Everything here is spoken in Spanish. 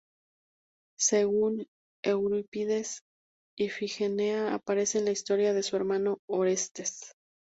Según Eurípides, Ifigenia aparece en la historia de su hermano, Orestes.